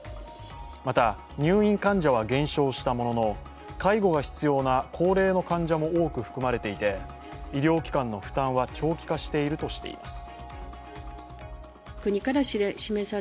また、入院患者は減少したものの介護が必要な高齢の患者も多く含まれていて、医療機関の負担は長期化しているとしています。